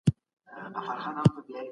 دا پروسه به د خلګو د ژوند سطحه لوړه کړي.